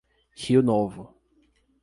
Rio Novo